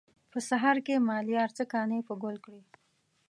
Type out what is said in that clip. په سهار کې مالیار څه کانې په ګل کړي.